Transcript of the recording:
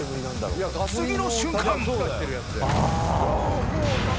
次の瞬間！